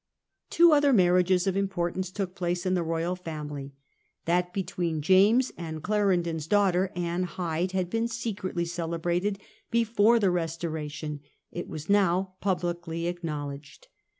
Two other marriages of importance took place in the royal family. That between James and Clarendons Marriages daughter, Anne Hyde, had been secretly cele bnrtherand Crated before the Restoration ; it was now sister. publicly acknowledged.